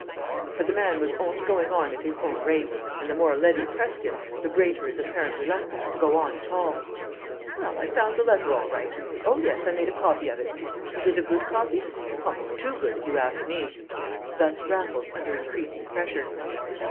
But the man was only going on at his own rate, and the more Levy pressed him, the greater his apparent reluctance to go on at all. "Well, I found the letter all right. Oh, yes, I made a copy of it. Was it a good copy? Almost too good, if you ask me." Thus Raffles under increasing pressure.